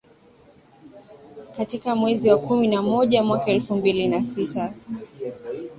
Katika mwezi wa kumi na moja mwaka elfu mbili na sita